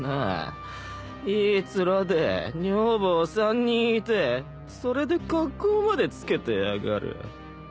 いい面で女房３人いてそれで格好までつけてやがる。